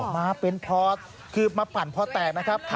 มาเป็นพอคือมาปั่นพอแตกนะครับ